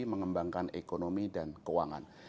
mengembangkan ekonomi dan keuangan